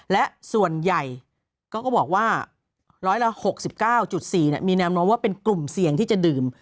และส่วนใหญ่ก็บอกว่าร้อยละ๖๙๔มีแนวโน้มว่าเป็นกลุ่มเสี่ยงที่จะดื่ม